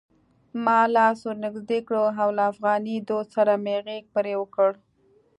ما لاس ور نږدې کړ او له افغاني دود سره مې غږ پرې وکړ: